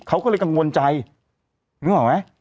เขาก็เลยกังวลใจนึกออกไหม